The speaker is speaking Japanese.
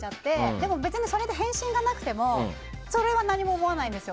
でも、別にそれで返信がなくてもそれは何も思わないんですよ。